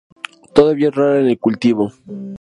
Todavía es rara en el cultivo.